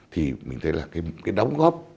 thì mình thấy là cái đóng góp